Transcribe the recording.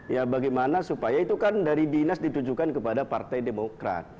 ya bagaimana supaya itu kan dari dinas ditujukan kepada partai demokrat